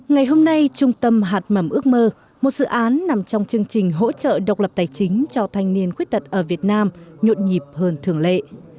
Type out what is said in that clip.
ngày hôm nay trung tâm hạt mầm ước mơ một dự án nằm trong chương trình hỗ trợ độc lập tài chính cho thanh niên khuyết tật ở việt nam nhộn nhịp hơn thường lệ